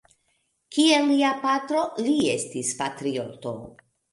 Kiel lia patro, li estis patrioto.